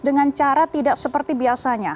dengan cara tidak seperti biasanya